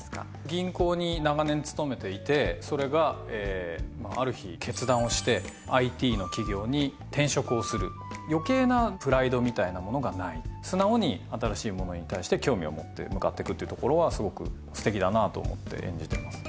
銀行に長年勤めていてそれがある日決断をしてＩＴの企業に転職をする余計なプライドみたいなものがない素直に新しいものに対して興味を持って向かってくっていうところはすごく素敵だなと思って演じてます